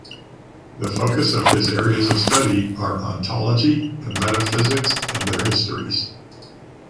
The focus of his areas of study are ontology and metaphysics and their histories.